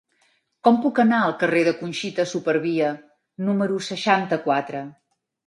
Com puc anar al carrer de Conxita Supervia número seixanta-quatre?